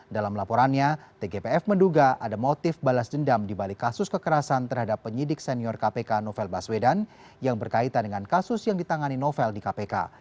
dalam laporannya tgpf menduga ada motif balas dendam di balik kasus kekerasan terhadap penyidik senior kpk novel baswedan yang berkaitan dengan kasus yang ditangani novel di kpk